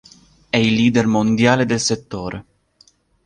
È il leader mondiale del settore.